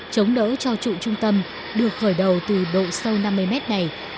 chống đỡ cho trụ trung tâm được khởi đầu từ độ sâu năm mươi mét này